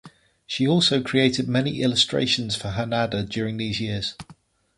She also created many illustrations for Hanada during these years.